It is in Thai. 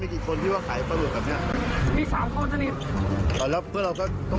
ขายนิดหน่อยโอเคถ้าบางคนขายไม่ได้หลือไม่ได้นิดหน่อย